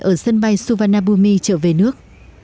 ở sân bay suvarnabhumi trở về nước